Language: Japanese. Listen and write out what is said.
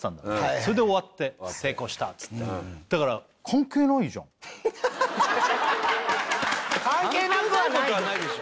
それで終わって成功したっつってだから関係なくはないでしょ